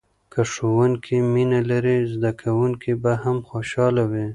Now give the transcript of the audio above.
که ښوونکی مینه لري، زده کوونکی به هم خوشحاله وي.